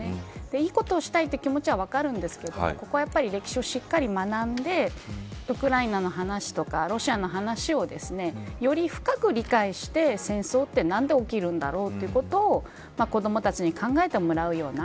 いいことをしたいという気持ちは分かるんですけどここは歴史をしっかり学んでウクライナの話とかロシアの話をより深く理解して戦争って何で起きるんだろうということを子どもたちに考えてもらうような